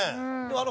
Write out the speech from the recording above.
あれ。